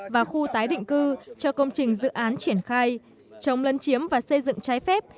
và khu tái định cư cho công trình dự án triển khai trồng lân chiếm và xây dựng trái phép